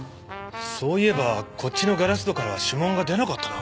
そういえばこっちのガラス戸からは指紋が出なかったな。